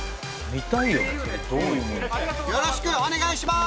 よろしくお願いします！